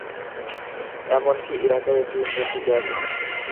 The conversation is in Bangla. এমনকি ইরাকেও একটি ইঞ্জিন টিকে আছে।